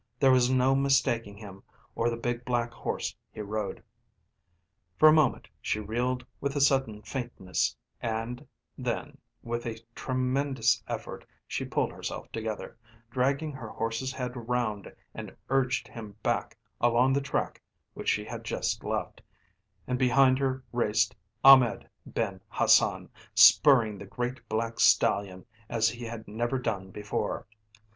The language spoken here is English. There was no mistaking him or the big black horse he rode. For a moment she reeled with a sudden faintness, and then with a tremendous effort she pulled herself together, dragging her horse's head round and urged him back along the track which she had just left, and behind her raced Ahmed Ben Hassan, spurring the great, black stallion as he had never done before.